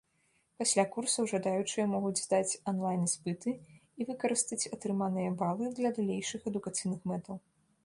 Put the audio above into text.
Пасля курсаў жадаючыя могуць здаць онлайн-іспыты і выкарыстаць атрыманыя балы для далейшых адукацыйных мэтаў.